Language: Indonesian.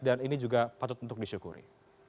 dan ini juga patut untuk disyukuri